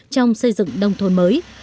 trong xây dựng nông thôn mới